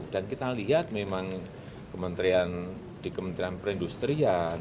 dan kita lihat memang di kementerian perindustrian